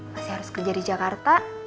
masih harus kerja di jakarta